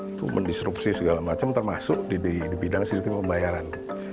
untuk mendisrupsi segala macam termasuk di bidang sistem pembayaran